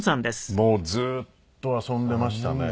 もうずっと遊んでいましたね。